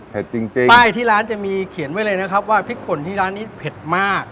จริงจริงป้ายที่ร้านจะมีเขียนไว้เลยนะครับว่าพริกป่นที่ร้านนี้เผ็ดมาก